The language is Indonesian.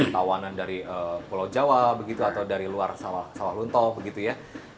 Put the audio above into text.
kawanan dari pulau jawa begitu atau dari luar sawah lunto begitu ya